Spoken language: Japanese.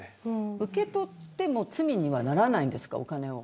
受け取っても罪にならないんですか、お金を。